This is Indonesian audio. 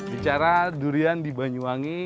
bicara durian di banyuwangi